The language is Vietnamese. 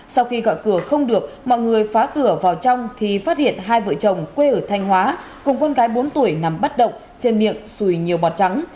sau khi gọi cửa không được mọi người phá cửa vào trong thì phát hiện hai vợ chồng quê ở thanh hóa cùng con gái bốn tuổi nằm bắt động trên miệng xùi nhiều bọt trắng